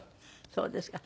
そうですか。